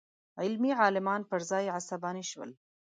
علمي عالمان پر ځای عصباني شول.